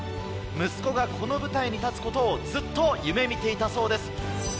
息子がこの舞台に立つことをずっと夢見ていたそうです。